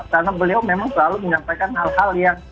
karena beliau memang selalu menyampaikan hal hal yang